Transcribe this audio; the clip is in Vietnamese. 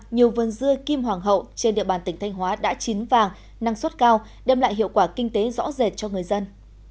nhiều vườn dưa kim hoàng hậu trên địa bàn tỉnh thanh hóa đã chín vàng năng suất cao đem lại hiệu quả kinh tế rõ rệt cho người dân